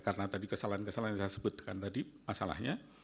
karena tadi kesalahan kesalahan yang saya sebutkan tadi masalahnya